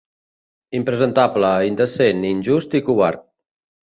Impresentable, indecent, injust i covard.